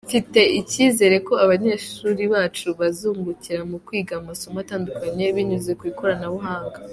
Mfite icyizere ko abanyeshuri bacu bazungukira mu kwiga amasomo atandukanye binyuze mu ikoranabuhanga.